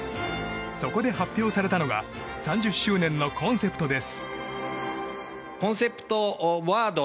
そこで発表されたのが３０周年のコンセプトです。